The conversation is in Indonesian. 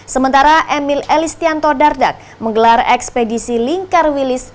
sementara emil elis tianto dardak menggelar ekspedisi lingkar wilis